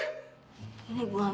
ini gue mirna bukan meri